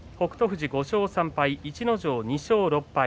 富士、５勝３敗逸ノ城、２勝６敗。